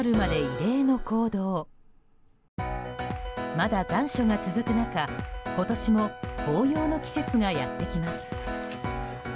まだ残暑が続く中、今年も紅葉の季節がやってきます。